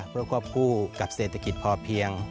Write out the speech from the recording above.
เพื่อควบคู่กับเศรษฐกิจพอเพียง